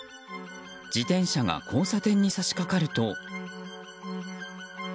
自転車が交差点に差し掛かると。